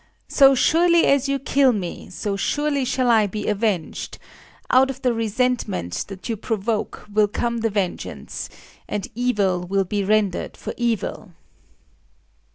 So surely as you kill me, so surely shall I be avenged;—out of the resentment that you provoke will come the vengeance; and evil will be rendered for evil."...